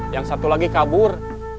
yang satu lagi kabur